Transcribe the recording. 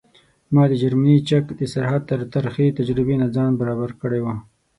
ما د جرمني چک د سرحد له ترخې تجربې نه ځان برابر کړی و.